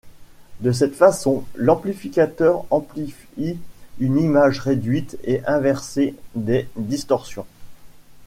De cette façon, l’amplificateur amplifie une image réduite et inversée des distorsions.